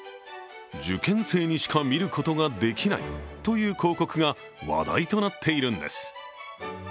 受験生にしか見ることができないという広告が話題となっているんです。